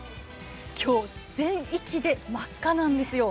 今日は全域で真っ赤なんですよ。